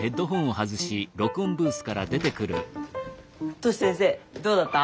トシ先生どうだった？